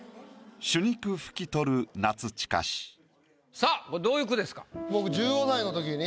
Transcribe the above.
さぁこれどういう句ですか？